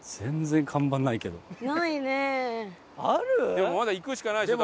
でもまだ行くしかないでしょ。